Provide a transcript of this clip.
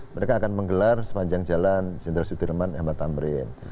mereka akan menggelar sepanjang jalan sindra sudirman dan ahmad tamrin